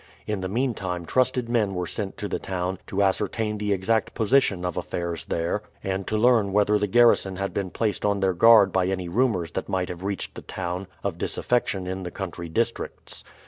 In the meantime trusted men were sent to the town to ascertain the exact position of affairs there, and to learn whether the garrison had been placed on their guard by any rumors that might have reached the town of disaffection in the country districts.